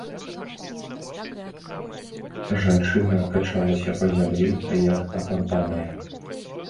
Жанчына качалася па зямлі як апантаная.